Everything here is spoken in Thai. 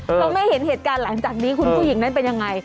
เพราะไม่เห็นเหตุการณ์หลังจากนี้คุณผู้หญิงนั้นเป็นยังไง